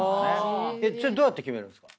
それどうやって決めるんすか？